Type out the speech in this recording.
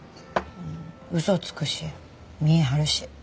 嘘つくし見え張るし。